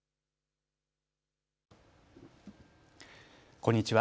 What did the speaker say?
こんにちは。